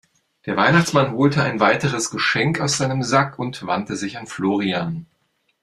Der Weihnachtsmann holte ein weiteres Geschenk aus seinem Sack und wandte sich an Florian.